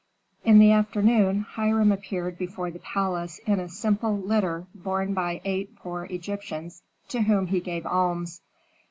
In the afternoon Hiram appeared before the palace in a simple litter borne by eight poor Egyptians to whom he gave alms.